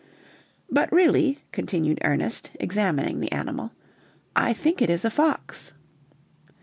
"But really," continued Ernest, examining the animal, "I think it is a fox."